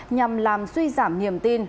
nhằm làm suy giảm hiểm tin